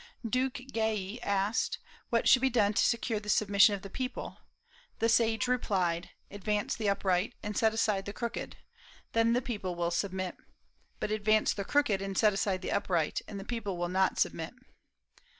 Duke Gae asked, "What should be done to secure the submission of the people?" The sage replied, "Advance the upright, and set aside the crooked; then the people will submit. But advance the crooked, and set aside the upright, and the people will not submit."